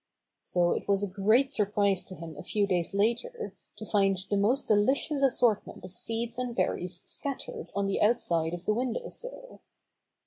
So it was a great surprise to him a few days later to find the most delicious assortment of seeds and berries scattered on the outside of the window sill.